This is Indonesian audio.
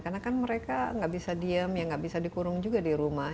karena kan mereka nggak bisa diem ya nggak bisa dikurung juga di rumah